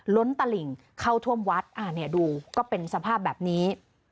ล้นตลิ่งเข้าท่วมวัดอ่าเนี่ยดูก็เป็นสภาพแบบนี้